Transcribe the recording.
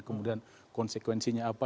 kemudian konsekuensinya apa